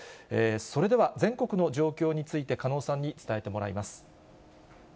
それでは、全国の状況について加納さんに伝えてもらいます。